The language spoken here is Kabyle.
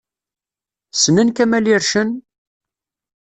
Ssnen Kamel Ircen?